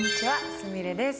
すみれです。